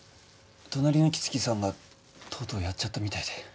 隣の木次さんがとうとうやっちゃったみたいで。